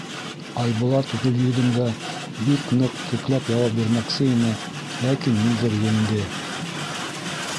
Айбулат Гөлйөҙөмгә бик ныҡ текләп яуап бирмәксе ине, ләкин ниҙер енде.